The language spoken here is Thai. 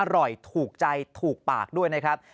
ถูกใจถูกปากด้วยนะครับ